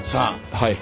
はい。